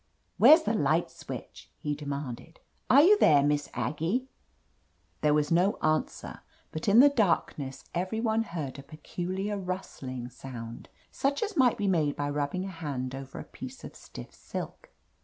"Where's the light switch?" he demanded. *'Are you there. Miss Aggie ?" There was no answer, but in the darkness every one heard a peculiar rustling sound, such as might be made by rubbing a hand over a piece of stiff silk.